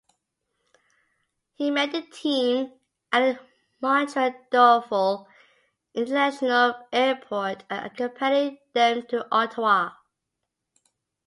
He met the team at the Montreal–Dorval International Airport and accompanied them to Ottawa.